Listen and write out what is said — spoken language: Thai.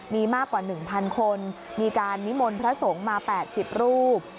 มีมากกว่า๑๐๐คนมีการนิมนต์พระสงฆ์มา๘๐รูป